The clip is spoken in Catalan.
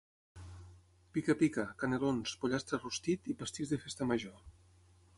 pica-pica, canelons, pollastre rostit, i pastís de Festa Major